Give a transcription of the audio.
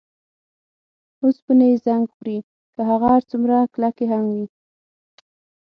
اوسپنې یې زنګ خوري که هغه هر څومره کلکې هم وي.